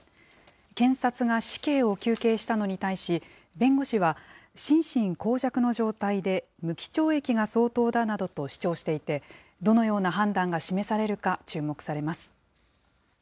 検察が死刑を求刑したのに対し、弁護士は、心神耗弱の状態で、無期懲役が相当だなどと主張していて、どのような判断が示されるか注目されます。